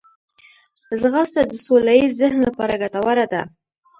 ځغاسته د سوله ییز ذهن لپاره ګټوره ده